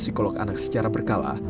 psikolog anak secara berkala